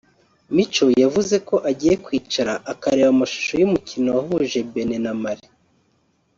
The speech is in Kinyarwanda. Micho yavuze ko agiye kwicara akareba amashusho y’umukino wahuje Benin na Mali